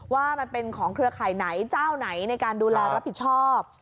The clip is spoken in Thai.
ว่ามันเป็นของเครือข่ายไหนเจ้าไหนในการดูแลรับผิดชอบ